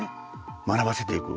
学ばせていく。